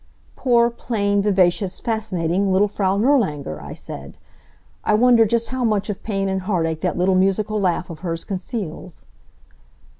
"Poor, plain, vivacious, fascinating little Frau Nirlanger!" I said. "I wonder just how much of pain and heartache that little musical laugh of hers conceals?"